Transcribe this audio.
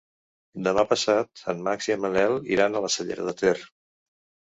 Demà passat en Max i en Manel iran a la Cellera de Ter.